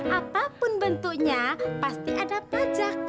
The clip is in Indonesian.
apapun bentuknya pasti ada pajak